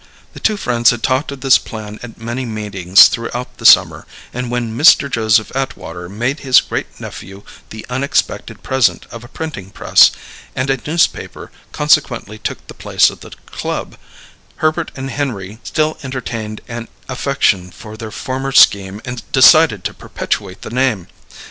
The two friends had talked of this plan at many meetings throughout the summer, and when Mr. Joseph Atwater made his great nephew the unexpected present of a printing press, and a newspaper consequently took the place of the club, Herbert and Henry still entertained an affection for their former scheme and decided to perpetuate the name.